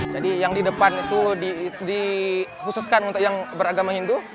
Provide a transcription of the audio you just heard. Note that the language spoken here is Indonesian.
jadi yang di depan itu dikhususkan untuk yang beragama hindu